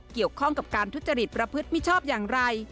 เกี่ยวข้องกับการทุจริตประพฤติมิชชอบอย่างไร